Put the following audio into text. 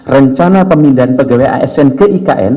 rencana pemindahan pegawai asn ke ikn